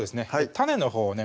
種のほうをね